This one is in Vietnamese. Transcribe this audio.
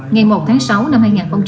ngày một tháng sáu năm hai nghìn hai mươi